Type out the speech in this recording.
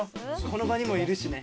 この場にもいるしね。